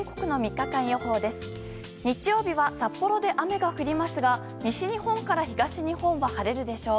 日曜日は札幌で雨が降りますが西日本から東日本は晴れるでしょう。